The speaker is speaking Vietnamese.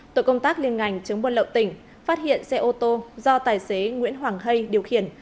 tội công tác liên ngành chống buôn lậu tỉnh phát hiện xe ô tô do tài xế nguyễn hoàng hay điều khiển